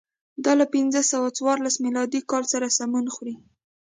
دا له پنځه سوه څوارلس میلادي کال سره سمون خوري.